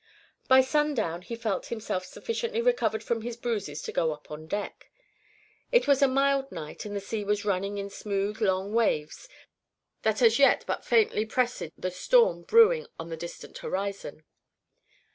By sundown he felt himself sufficiently recovered from his bruises to go up on deck. It was a mild night, and the sea was running in smooth long waves that as yet but faintly presaged the storm brewing on the distant horizon.